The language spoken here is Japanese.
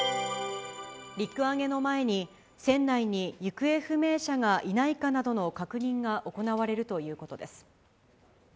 陸揚げの前に、船内に行方不明者がいないかなどの確認が行われるということです。